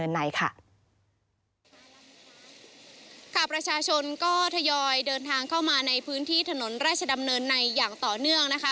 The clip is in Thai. ประชาชนก็ทยอยเดินทางเข้ามาในพื้นที่ถนนราชดำเนินในอย่างต่อเนื่องนะคะ